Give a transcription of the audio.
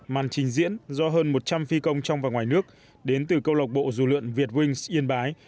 màn trình diễn do hơn một trăm linh phi công trong và ngoài nước đến từ câu lọc bộ rủ lượn việt wings yên bái